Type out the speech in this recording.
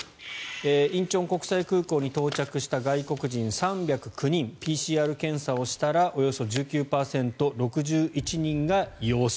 仁川国際空港に到着した外国人３０９人ＰＣＲ検査をしたらおよそ１９％、６１人が陽性